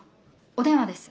お電話です。